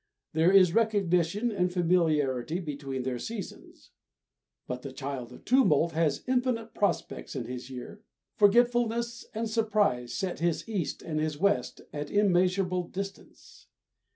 There is recognition and familiarity between their seasons. But the Child of Tumult has infinite prospects in his year. Forgetfulness and surprise set his east and his west at immeasurable distance.